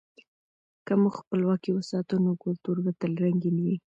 که موږ خپلواکي وساتو، نو کلتور به تل رنګین وي.